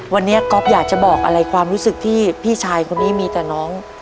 วันนี้ก๊อฟอยากจะบอกอะไรความรู้สึกที่พี่ชายคนนี้มีแต่น้อง